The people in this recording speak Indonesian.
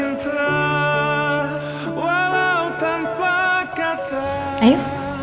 gak usah banyak tanya re